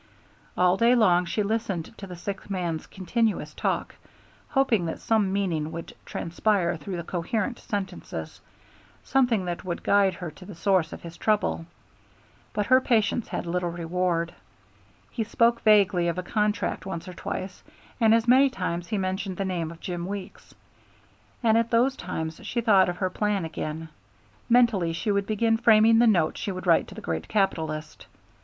All day long she listened to the sick man's continuous talk, hoping that some meaning would transpire through the incoherent sentences, something that would guide her to the source of his trouble; but her patience had little reward. He spoke vaguely of a contract once or twice, and as many times he mentioned the name of Jim Weeks, and at those times she thought of her plan again; mentally she would begin framing the note she would write to the great capitalist.